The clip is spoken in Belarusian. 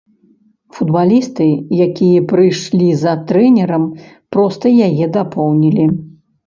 Футбалісты, якія прыйшлі за трэнерам, проста яе дапоўнілі.